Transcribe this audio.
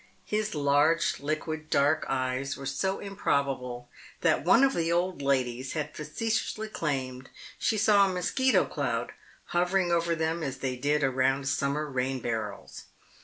His large liquid dark eyes were so improbable that one of the old ladies had facetiously claimed she saw a mosquito cloud hovering over them as they did around summer rain barrels.